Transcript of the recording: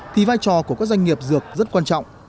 thì vai trò của các doanh nghiệp dược rất quan trọng